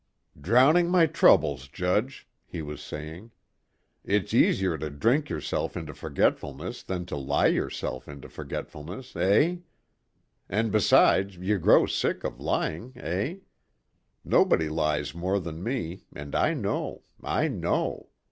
"Drowning my troubles, judge," he was saying. "It's easier to drink yourself into forgetfulness than to lie yourself into forgetfulness, eh? And besides you grow sick of lying, eh. Nobody lies more than me, and I know, I know.